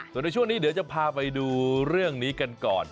ส่วนในช่วงนี้เดี๋ยวจะพาไปดูเรื่องนี้กันก่อน